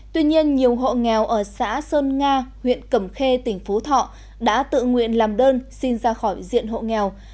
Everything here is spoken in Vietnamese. tuy nhiên nhiều hộ nghèo ở xã sơn nga huyện cẩm khê tỉnh phú thọ đã tự nguyện làm đơn xin ra khỏi diện hộ nghèo